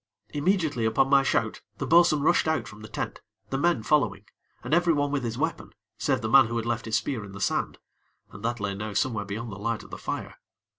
Immediately upon my shout, the bo'sun rushed out from the tent, the men following, and every one with his weapon, save the man who had left his spear in the sand, and that lay now somewhere beyond the light of the fire.